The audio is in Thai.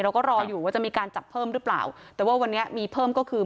เราก็รออยู่ว่าจะมีการจับเพิ่มหรือเปล่าแต่ว่าวันนี้มีเพิ่มก็คือ